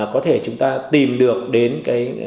có thể chúng ta tìm được đến cái